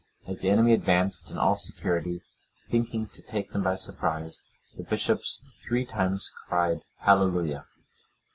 As the enemy advanced in all security, thinking to take them by surprise, the bishops three times cried, "Hallelujah."